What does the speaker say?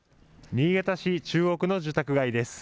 新潟市中央区の住宅街です。